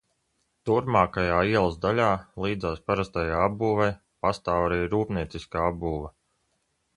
Turpmākajā ielas daļā līdzās parastajai apbūvei pastāv arī rūpnieciskā apbūve.